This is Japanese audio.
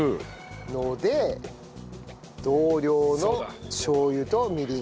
ので同量のしょう油とみりん。